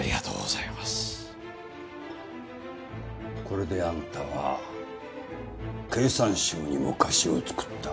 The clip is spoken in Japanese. これであんたは経産省にも貸しを作った。